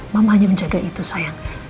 mama hanya menjaga itu sayang